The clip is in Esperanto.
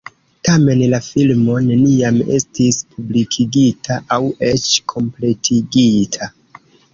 Tamen, la filmo neniam estis publikigita aŭ eĉ kompletigita.